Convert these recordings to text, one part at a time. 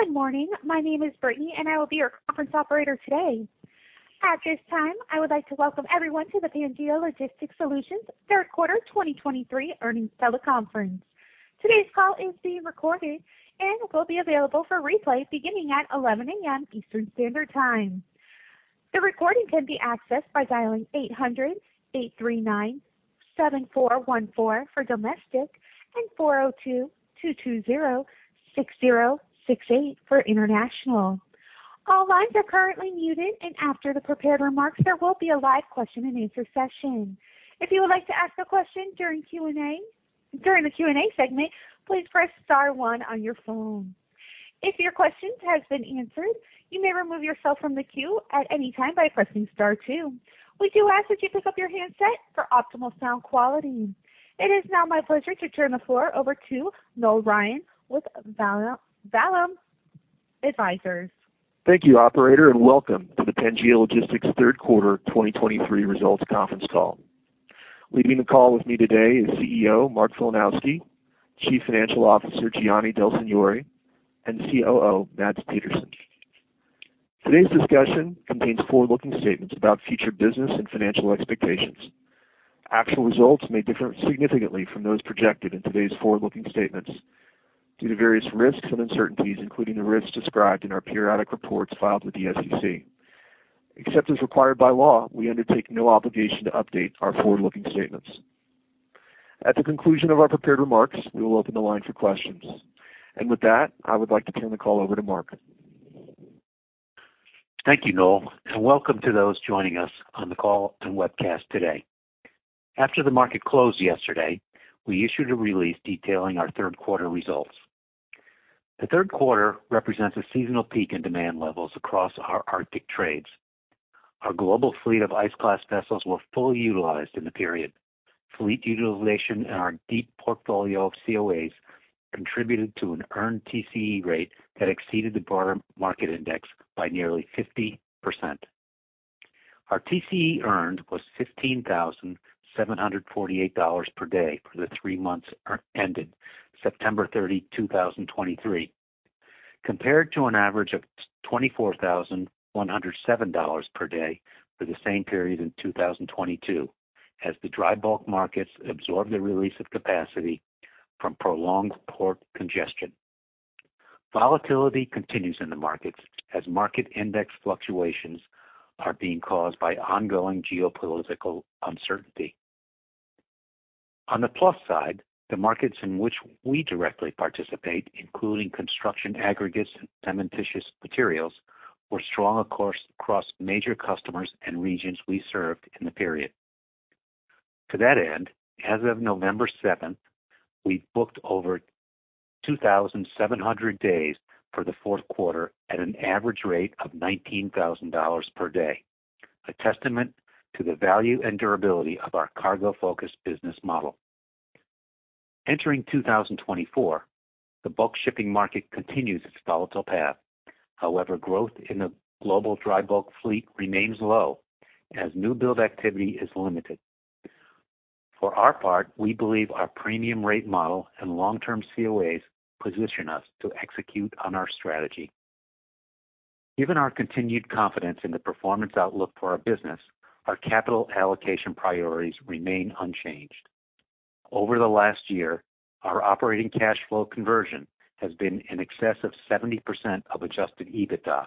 Good morning. My name is Brittany, and I will be your conference operator today. At this time, I would like to welcome everyone to the Pangaea Logistics Solutions third quarter 2023 earnings teleconference. Today's call is being recorded and will be available for replay beginning at 11:00 A.M. Eastern Standard Time. The recording can be accessed by dialing 800-839-7414 for domestic and 402-220-6068 for international. All lines are currently muted, and after the prepared remarks, there will be a live question-and-answer session. If you would like to ask a question during the Q&A segment, please press star one on your phone. If your questions have been answered, you may remove yourself from the queue at any time by pressing star two. We do ask that you pick up your handset for optimal sound quality. It is now my pleasure to turn the floor over to Noel Ryan with Vallum Advisors. Thank you, operator, and welcome to the Pangaea Logistics third quarter 2023 results conference call. Leading the call with me today is CEO Mark Filanowski; Chief Financial Officer Gianni Del Signore; and COO Mads Petersen. Today's discussion contains forward-looking statements about future business and financial expectations. Actual results may differ significantly from those projected in today's forward-looking statements due to various risks and uncertainties, including the risks described in our periodic reports filed with the SEC. Except as required by law, we undertake no obligation to update our forward-looking statements. At the conclusion of our prepared remarks, we will open the line for questions. With that, I would like to turn the call over to Mark. Thank you, Noel, and welcome to those joining us on the call and webcast today. After the market closed yesterday, we issued a release detailing our third quarter results. The third quarter represents a seasonal peak in demand levels across our Arctic trades. Our global fleet of ice-class vessels were fully utilized in the period. Fleet utilization and our deep portfolio of COAs contributed to an earned TCE rate that exceeded the broader market index by nearly 50%. Our TCE earned was $15,748 per day for the three months ended September 30, 2023, compared to an average of $24,107 per day for the same period in 2022, as the dry bulk markets absorb the release of capacity from prolonged port congestion. Volatility continues in the markets as market index fluctuations are being caused by ongoing geopolitical uncertainty. On the plus side, the markets in which we directly participate, including construction aggregates and cementitious materials, were strong, of course, across major customers and regions we served in the period. To that end, as of November 7th, we've booked over 2,700 days for the fourth quarter at an average rate of $19,000 per day, a testament to the value and durability of our cargo-focused business model. Entering 2024, the bulk shipping market continues its volatile path. However, growth in the global dry bulk fleet remains low as new build activity is limited. For our part, we believe our premium rate model and long-term COAs position us to execute on our strategy. Given our continued confidence in the performance outlook for our business, our capital allocation priorities remain unchanged. Over the last year, our operating cash flow conversion has been in excess of 70% of adjusted EBITDA,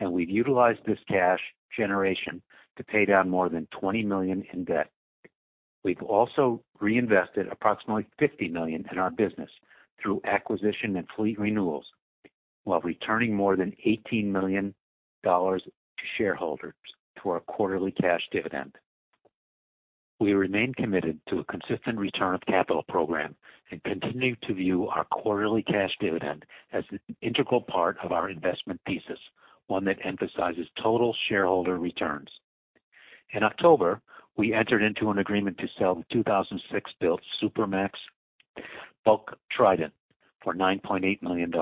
and we've utilized this cash generation to pay down more than $20 million in debt. We've also reinvested approximately $50 million in our business through acquisition and fleet renewals, while returning more than $18 million to shareholders through our quarterly cash dividend. We remain committed to a consistent return of capital program and continue to view our quarterly cash dividend as an integral part of our investment thesis, one that emphasizes total shareholder returns. In October, we entered into an agreement to sell the 2006-built Supramax Bulk Trident for $9.8 million.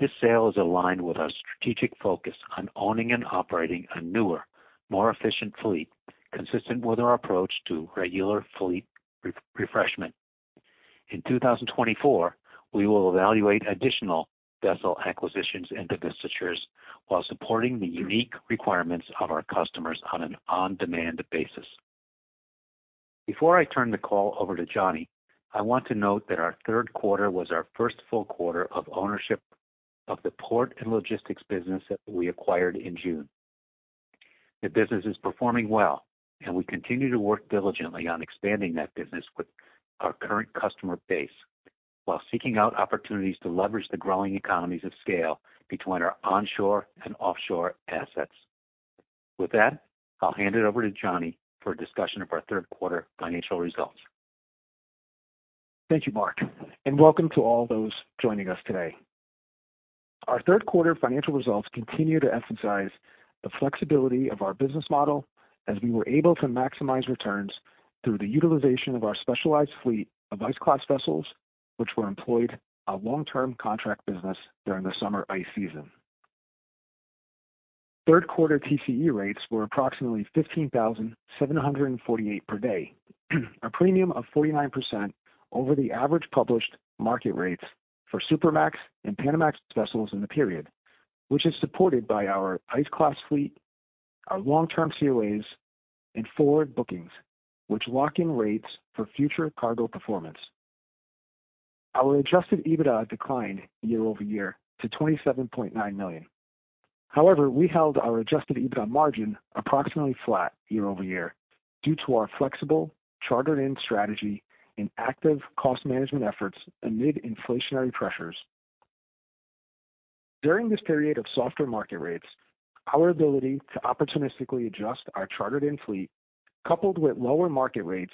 This sale is aligned with our strategic focus on owning and operating a newer, more efficient fleet, consistent with our approach to regular fleet refreshment. In 2024, we will evaluate additional vessel acquisitions and divestitures while supporting the unique requirements of our customers on an on-demand basis. Before I turn the call over to Gianni, I want to note that our third quarter was our first full quarter of ownership of the port and logistics business that we acquired in June. The business is performing well, and we continue to work diligently on expanding that business with our current customer base, while seeking out opportunities to leverage the growing economies of scale between our onshore and offshore assets. With that, I'll hand it over to Gianni for a discussion of our third quarter financial results. Thank you, Mark, and welcome to all those joining us today. Our third quarter financial results continue to emphasize the flexibility of our business model as we were able to maximize returns through the utilization of our specialized fleet of ice-class vessels, which were employed a long-term contract business during the summer ice season. Third quarter TCE rates were approximately $15,748 per day, a premium of 49% over the average published market rates for Supramax and Panamax vessels in the period, which is supported by our ice class fleet, our long-term COAs, and forward bookings, which lock in rates for future cargo performance. Our adjusted EBITDA declined year-over-year to $27.9 million. However, we held our adjusted EBITDA margin approximately flat year-over-year, due to our flexible, chartered-in strategy and active cost management efforts amid inflationary pressures. During this period of softer market rates, our ability to opportunistically adjust our chartered in fleet, coupled with lower market rates,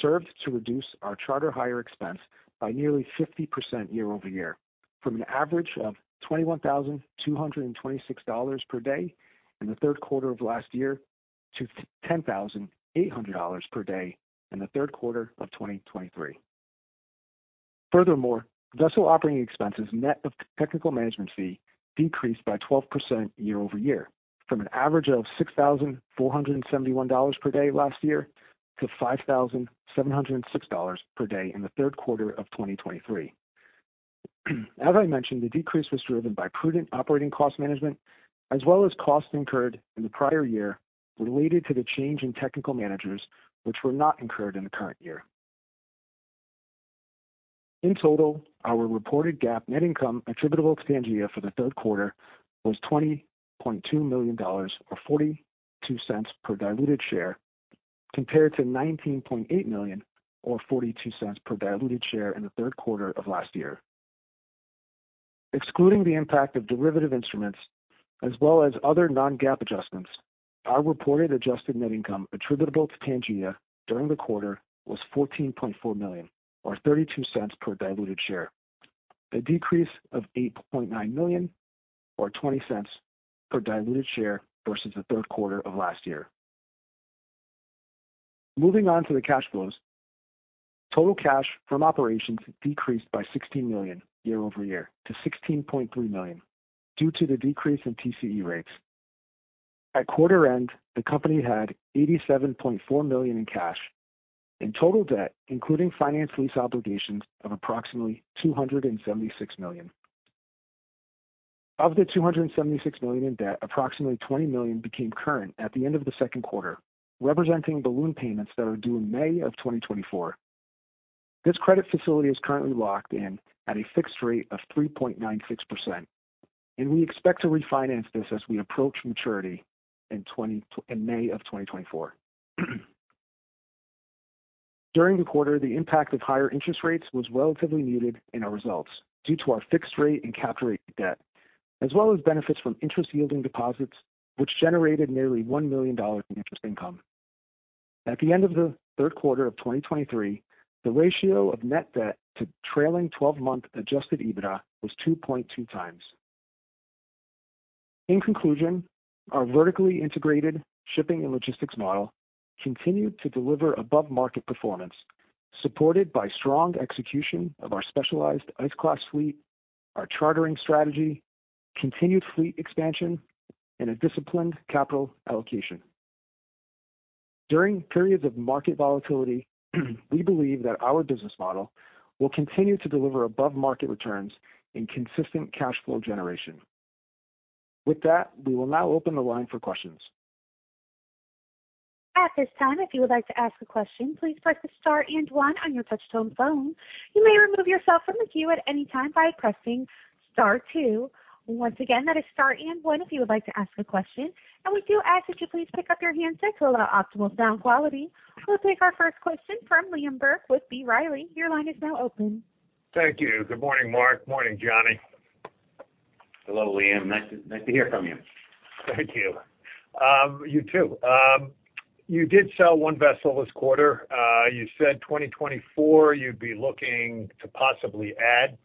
served to reduce our charter hire expense by nearly 50% year-over-year, from an average of $21,226 per day in the third quarter of last year to $10,800 per day in the third quarter of 2023. Furthermore, vessel operating expenses, net of technical management fee, decreased by 12% year-over-year, from an average of $6,471 per day last year to $5,706 per day in the third quarter of 2023. As I mentioned, the decrease was driven by prudent operating cost management, as well as costs incurred in the prior year related to the change in technical managers, which were not incurred in the current year. In total, our reported GAAP net income attributable to Pangaea for the third quarter was $20.2 million, or $0.42 per diluted share, compared to $19.8 million or $0.42 per diluted share in the third quarter of last year. Excluding the impact of derivative instruments as well as other non-GAAP adjustments, our reported adjusted net income attributable to Pangaea during the quarter was $14.4 million, or $0.32 per diluted share, a decrease of $8.9 million or $0.20 per diluted share versus the third quarter of last year. Moving on to the cash flows. Total cash from operations decreased by $16 million year-over-year to $16.3 million due to the decrease in TCE rates. At quarter-end, the company had $87.4 million in cash and total debt, including finance lease obligations, of approximately $276 million. Of the $276 million in debt, approximately $20 million became current at the end of the second quarter, representing balloon payments that are due in May 2024. This credit facility is currently locked in at a fixed rate of 3.96%, and we expect to refinance this as we approach maturity in May 2024. During the quarter, the impact of higher interest rates was relatively muted in our results due to our fixed rate and capped rate debt, as well as benefits from interest yielding deposits, which generated nearly $1 million in interest income. At the end of the third quarter of 2023, the ratio of net debt to trailing twelve-month adjusted EBITDA was 2.2x. In conclusion, our vertically integrated shipping and logistics model continued to deliver above-market performance, supported by strong execution of our specialized ice class fleet, our chartering strategy, continued fleet expansion, and a disciplined capital allocation. During periods of market volatility, we believe that our business model will continue to deliver above-market returns and consistent cash flow generation. With that, we will now open the line for questions. At this time, if you would like to ask a question, please press star and one on your touchtone phone. You may remove yourself from the queue at any time by pressing star two. Once again, that is star and one if you would like to ask a question. We do ask that you please pick up your handset to allow optimal sound quality. We'll take our first question from Liam Burke with B. Riley. Your line is now open. Thank you. Good morning, Mark. Morning, Gianni. Hello, Liam. Nice to hear from you. Thank you. You too. You did sell one vessel this quarter. You said 2024 you'd be looking to possibly add.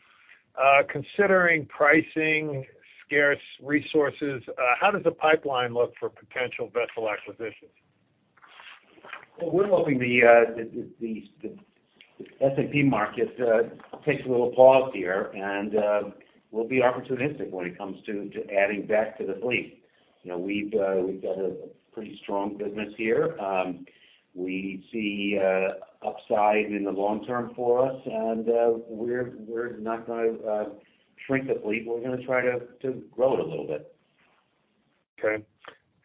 Considering pricing, scarce resources, how does the pipeline look for potential vessel acquisitions? Well, we're hoping the S&P market takes a little pause here, and we'll be opportunistic when it comes to adding back to the fleet. You know, we've got a pretty strong business here. We see upside in the long term for us, and we're not going to shrink the fleet. We're going to try to grow it a little bit. Okay.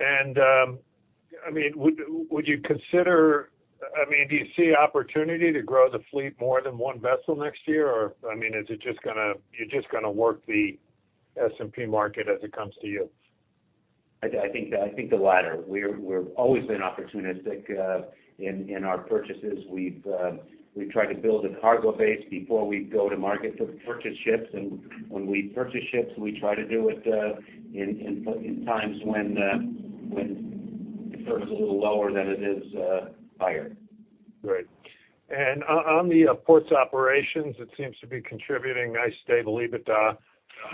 And, I mean, would you consider... I mean, do you see opportunity to grow the fleet more than one vessel next year? Or, I mean, is it just gonna—you're just gonna work the S&P market as it comes to you? I think the latter. We've always been opportunistic in our purchases. We've tried to build a cargo base before we go to market to purchase ships, and when we purchase ships, we try to do it in times when it's a little lower than it is higher. Great. And on the ports operations, it seems to be contributing nice, stable EBITDA.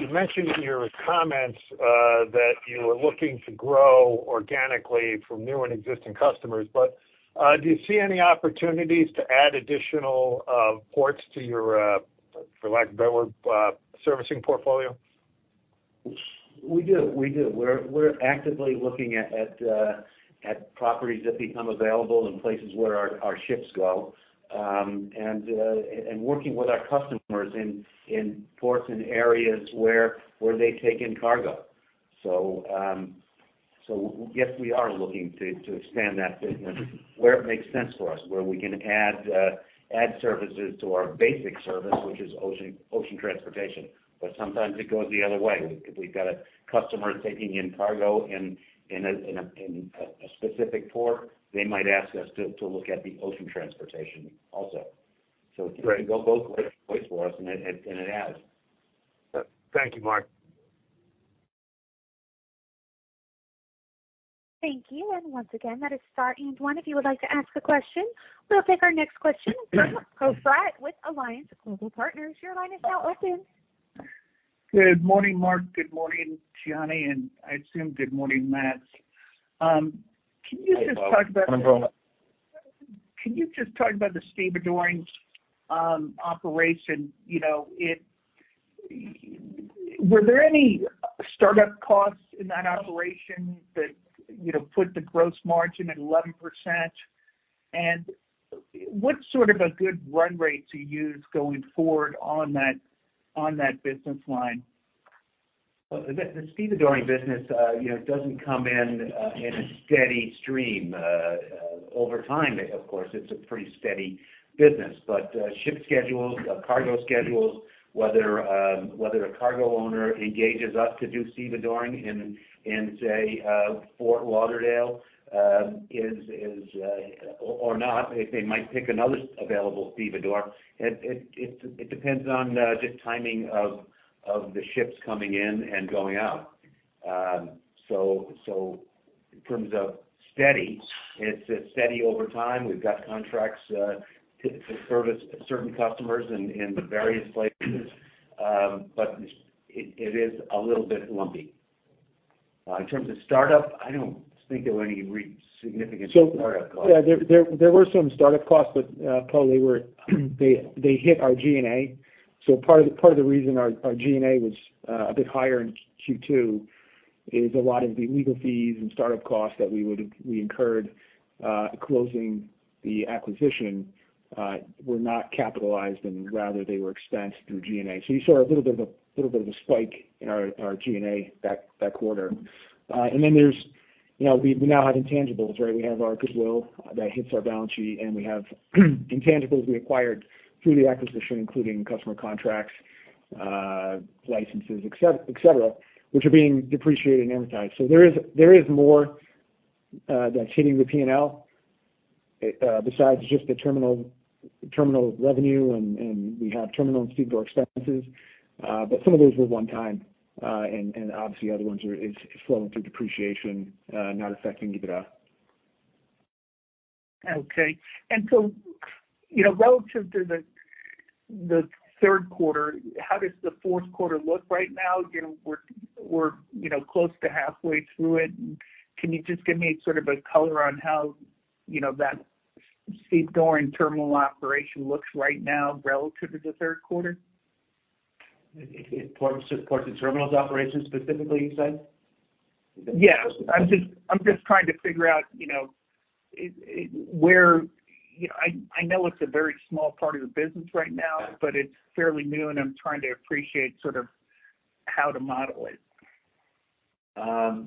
You mentioned in your comments that you were looking to grow organically from new and existing customers. But, do you see any opportunities to add additional ports to your, for lack of a better word, servicing portfolio? We do, we do. We're actively looking at properties that become available in places where our ships go, and working with our customers in ports and areas where they take in cargo. So yes, we are looking to expand that business where it makes sense for us, where we can add services to our basic service, which is ocean transportation. But sometimes it goes the other way. If we've got a customer taking in cargo in a specific port, they might ask us to look at the ocean transportation also. Right. So it can go both ways for us, and it has. Thank you, Mark. Thank you. Once again, that is star and eight one if you would like to ask a question. We'll take our next question from Poe Fratt with Alliance Global Partners. Your line is now open. Good morning, Mark. Good morning, Gianni, and I assume good morning, Mads. Can you just talk about- Hey, Poe. Can you just talk about the stevedoring operation? You know, were there any startup costs in that operation that, you know, put the gross margin at 11%? And what sort of a good run rate to use going forward on that, on that business line? Well, the stevedoring business, you know, doesn't come in in a steady stream. Over time, of course, it's a pretty steady business, but ship schedules, cargo schedules, whether a cargo owner engages us to do stevedoring in, say, Fort Lauderdale, is or not, if they might pick another available stevedore, it depends on just timing of the ships coming in and going out. So in terms of steady, it's steady over time. We've got contracts to service certain customers in the various places. But it is a little bit lumpy. In terms of startup, I don't think there were any significant startup costs. So, yeah, there were some startup costs, but Poe, they were... They hit our G&A. So part of the reason our G&A was a bit higher in Q2 is a lot of the legal fees and startup costs that we incurred closing the acquisition were not capitalized, and rather they were expensed through G&A. So you saw a little bit of a spike in our G&A that quarter. And then there's, you know, we now have intangibles, right? We have our goodwill that hits our balance sheet, and we have intangibles we acquired through the acquisition, including customer contracts, licenses, et cetera, which are being depreciated and amortized. So there is more that's hitting the P&L besides just the terminal revenue, and we have terminal and stevedore expenses. But some of those were one-time, and obviously other ones are flowing through depreciation, not affecting EBITDA. Okay. And so, you know, relative to the third quarter, how does the fourth quarter look right now? You know, we're, you know, close to halfway through it. Can you just give me sort of a color on how, you know, that stevedoring terminal operation looks right now relative to the third quarter? Ports and terminals operations specifically, you said? Yes. I'm just trying to figure out, you know, where... You know, I know it's a very small part of the business right now, but it's fairly new, and I'm trying to appreciate sort of how to model it.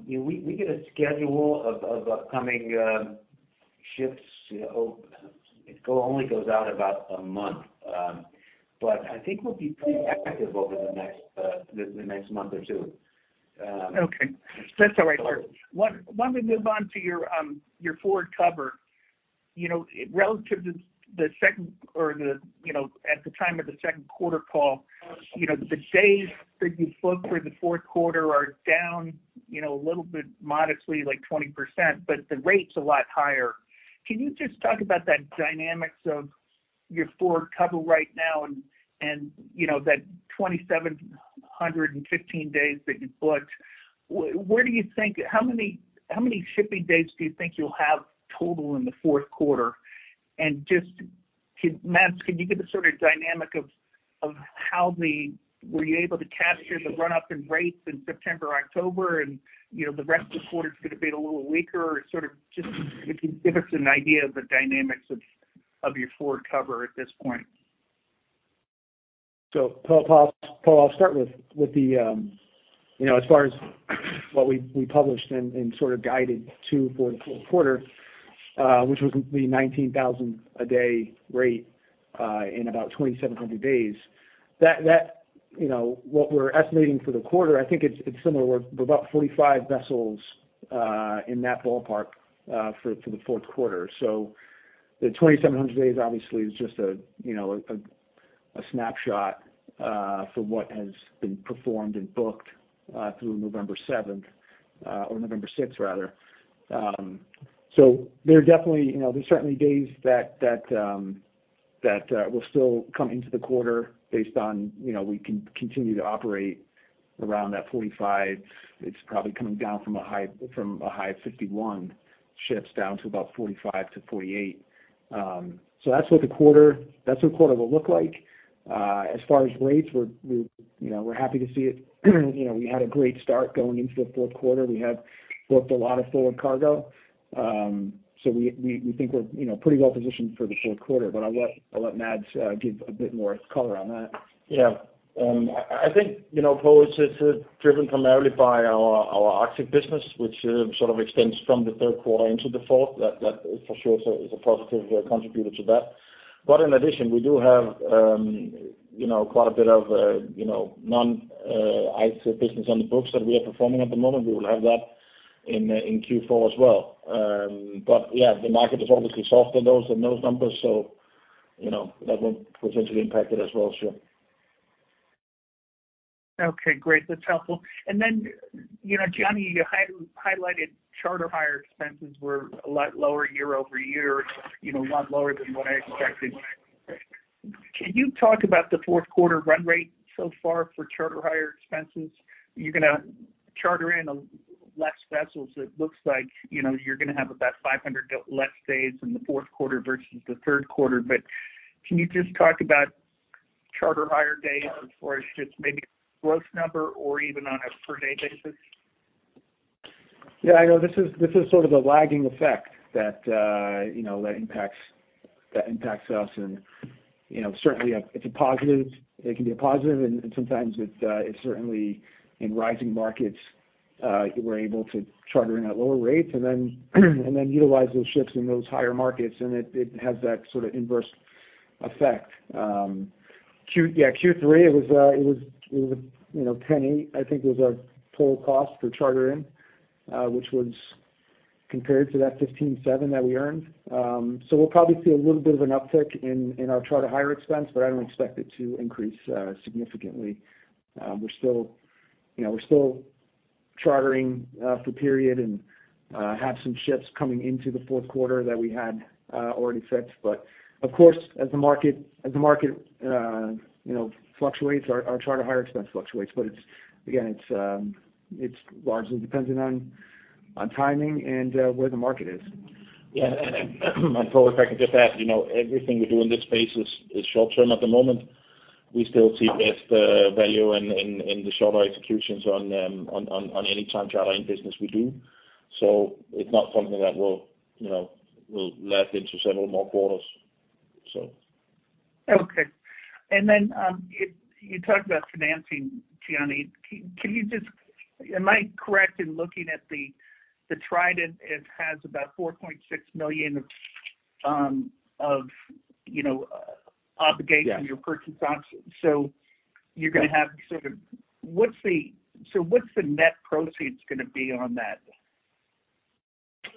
Yeah, we get a schedule of upcoming ships, you know. It only goes out about a month. But I think we'll be pretty active over the next, the next month or two. Okay. That's all right, Mark. Why don't we move on to your forward cover? You know, relative to the second or the, you know, at the time of the second quarter call, you know, the days that you booked for the fourth quarter are down, you know, a little bit modestly, like 20%, but the rate's a lot higher. Can you just talk about that dynamics of your forward cover right now and, and, you know, that 2,715 days that you booked? Where do you think... How many, how many shipping days do you think you'll have total in the fourth quarter? Just, Mads, can you give a sort of dynamic of how were you able to capture the run-up in rates in September, October, and, you know, the rest of the quarter is going to be a little weaker? Sort of just if you give us an idea of the dynamics of your forward cover at this point. So Poe, I'll start with, with the, you know, as far as what we, we published and, and sort of guided to for the fourth quarter, which was the $19,000 a day rate in about 2,700 days. That, that, you know, what we're estimating for the quarter, I think it's, it's similar. We're about 45 vessels in that ballpark for the fourth quarter. So the 2,700 days obviously is just a, you know, a, a snapshot for what has been performed and booked through November 7th, or November 6th, rather. So there are definitely, you know, there's certainly days that, that will still come into the quarter based on, you know, we continue to operate around that 45. It's probably coming down from a high, from a high of 51 ships down to about 45 to 48. So that's what the quarter, that's what quarter will look like. As far as rates, we're, you know, we're happy to see it. You know, we had a great start going into the fourth quarter. We have booked a lot of forward cargo. So we think we're, you know, pretty well positioned for the fourth quarter, but I'll let Mads give a bit more color on that. Yeah. I think, you know, Poe, it's driven primarily by our Arctic business, which sort of extends from the third quarter into the fourth. That for sure is a positive contributor to that. But in addition, we do have, you know, quite a bit of, you know, non-ice business on the books that we are performing at the moment. We will have that in Q4 as well. But yeah, the market is obviously soft in those numbers, so you know, that will potentially impact it as well, sure. Okay, great. That's helpful. And then, you know, Gianni, you highlighted charter hire expenses were a lot lower year-over-year, you know, a lot lower than what I expected. Can you talk about the fourth quarter run rate so far for charter hire expenses? You're gonna charter in on less vessels, it looks like, you know, you're gonna have about 500 less days in the fourth quarter versus the third quarter. But can you just talk about charter hire days as far as just maybe gross number or even on a per day basis? Yeah, I know this is sort of a lagging effect that, you know, that impacts us. And, you know, certainly, it's a positive, it can be a positive, and sometimes it, it's certainly in rising markets, we're able to charter in at lower rates and then utilize those ships in those higher markets, and it has that sort of inverse effect. Yeah, Q3, it was, you know, $10.8, I think, was our total cost for charter in, which was compared to that $15.7 that we earned. So we'll probably see a little bit of an uptick in our charter hire expense, but I don't expect it to increase significantly. We're still, you know, we're still chartering for period and have some ships coming into the fourth quarter that we had already fixed. But of course, as the market you know fluctuates, our charter hire expense fluctuates. But it's again, it's largely dependent on timing and where the market is. Yeah, and Poe, if I could just add, you know, everything we do in this space is short term at the moment. We still see best value in the shorter executions on any time charter in business we do. So it's not something that will, you know, last into several more quarters, so. Okay. And then you talked about financing, Gianni. Can you just... Am I correct in looking at the Trident, it has about $4.6 million of, you know, obligation- Yeah. -to your purchase option. So you're gonna have sort of, so what's the net proceeds gonna be on that?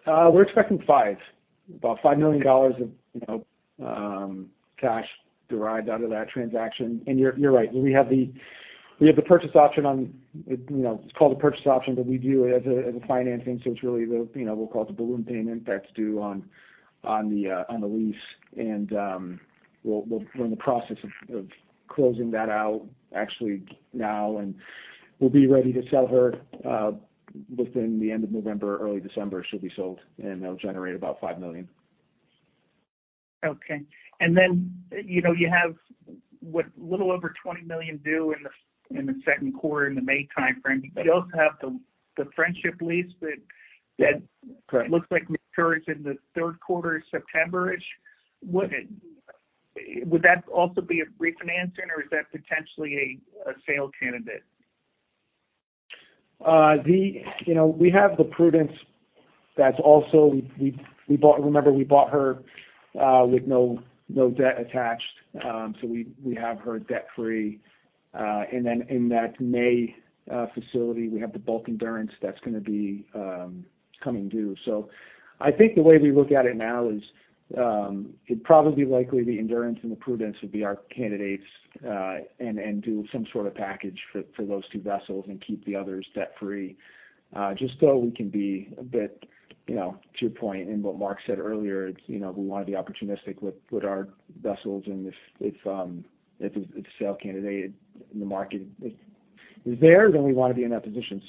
We're expecting $5, about $5 million of, you know, cash derived out of that transaction. And you're right, we have the purchase option on, you know, it's called a purchase option, but we do it as a financing. So, it's really the, you know, we'll call it the balloon payment that's due on the lease. And we'll- we're in the process of closing that out actually now, and we'll be ready to sell her within the end of November, early December, she'll be sold, and that'll generate about $5 million. Okay. And then, you know, you have what? A little over $20 million due in the, in the second quarter, in the May timeframe. Yeah. You also have the Friendship lease that- Yeah, correct -that looks like matures in the third quarter, September-ish. Would that also be a refinancing or is that potentially a sale candidate? You know, we have the Prudence that's also we bought—remember we bought her with no debt attached. So we have her debt-free. And then in that May facility, we have the Bulk Endurance that's gonna be coming due. So, I think the way we look at it now is, it'd probably likely the Endurance and the Prudence would be our candidates and do some sort of package for those two vessels and keep the others debt-free. Just so we can be a bit, you know, to your point and what Mark said earlier, you know, we wanna be opportunistic with our vessels, and if it's a sale candidate and the market is there, then we wanna be in that position.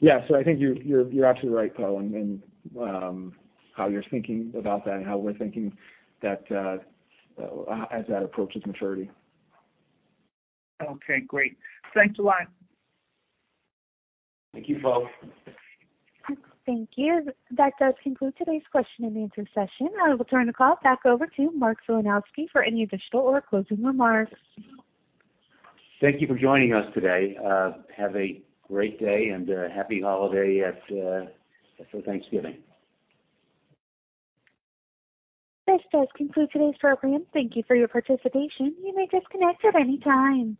Yeah, I think you're absolutely right, Poe, and how you're thinking about that and how we're thinking that as that approaches maturity. Okay, great. Thanks a lot. Thank you, Poe. Thank you. That does conclude today's question-and-answer session. I will turn the call back over to Mark Filanowski for any additional or closing remarks. Thank you for joining us today. Have a great day, and happy holiday at for Thanksgiving. This does conclude today's program. Thank you for your participation. You may disconnect at any time.